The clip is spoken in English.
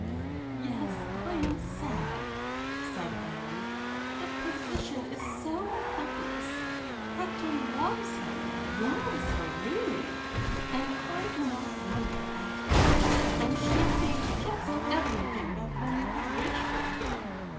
"Yes, I am sad," said Anne. "The position is so hopeless. Hector loves her loves her really and I do not wonder at it; and she seems just everything that one could wish for him.